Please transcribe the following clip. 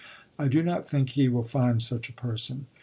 I do not think he will find such a person.